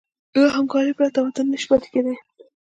له همکارۍ پرته تمدن نهشي پاتې کېدی.